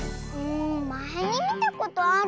まえにみたことある。